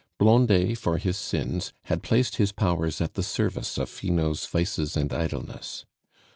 Blondet, for his sins, had placed his powers at the service of Finot's vices and idleness.